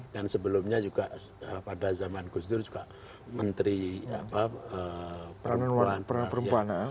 dan sebelumnya juga pada zaman gus ipul juga menteri peran perempuan